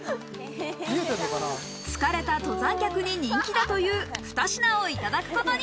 疲れた登山客に人気だという２品をいただくことに。